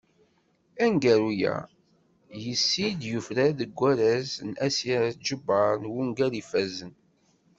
Aneggaru-a s yis-s i d-yufrar deg warraz n Asya Ǧebbar n wungal ifazzen.